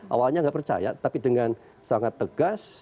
awalnya nggak percaya tapi dengan sangat tegas